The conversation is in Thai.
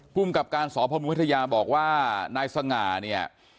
ภูมิกับการสพมพัทยาบอกว่านายสง่าเนี่ย